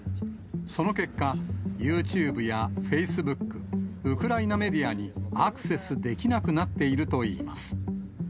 その結果、ユーチューブやフェイスブック、ウクライナメディアにアクセスできなくなっているといいます。